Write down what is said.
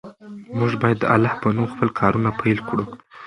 موږ باید د الله په نوم خپل کارونه پیل کړو.